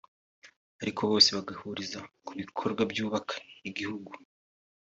ariko bose bagahuriza ku bikorwa byubaka igihugu